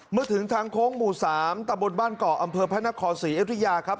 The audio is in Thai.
เมื่อถึงทางโค้งหมู่๓ตะบนบ้านเกาะอำเภอพระนครศรีอยุธยาครับ